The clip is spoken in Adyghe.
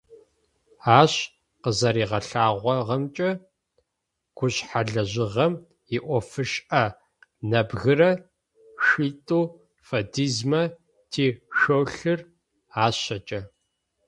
Ащ къызэригъэлъэгъуагъэмкӏэ, гушъхьэлэжьыгъэм иӏофышӏэ нэбгырэ шъитӏу фэдизмэ тишъолъыр ащэкӏэ.